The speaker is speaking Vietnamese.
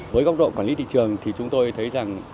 với góc độ quản lý thị trường thì chúng tôi thấy rằng